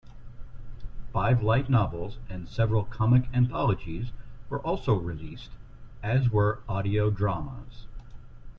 Five light novels and several comic anthologies were also released, as were audio dramas.